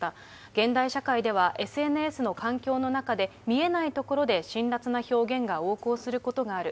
現代社会ではＳＮＳの環境の中で、見えない所で辛らつな表現が横行することがある。